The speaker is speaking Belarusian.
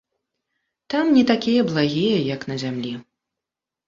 Там не такія благія, як на зямлі.